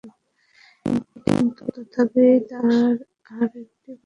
কিন্তু তথাপি আর একটি পদার্থের প্রয়োজন।